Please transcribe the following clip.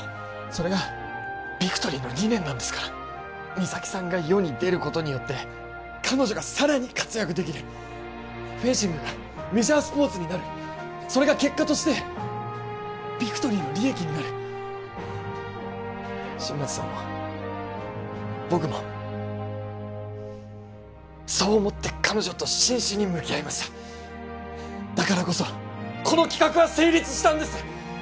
それがビクトリーの理念なんですから三咲さんが世に出ることによって彼女がさらに活躍できるフェンシングがメジャースポーツになるそれが結果としてビクトリーの利益になる新町さんも僕もそう思って彼女と真摯に向き合いましただからこそこの企画は成立したんです！